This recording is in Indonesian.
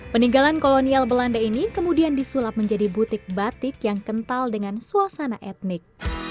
peninggalan kolonial belanda ini kemudian disulap menjadi butik batik yang kental dengan suasana etnik